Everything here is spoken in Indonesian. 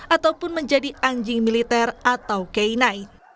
ataupun menjadi anjing militer atau kainai